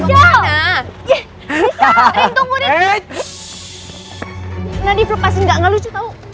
nadif lepasin gak gak lucu tau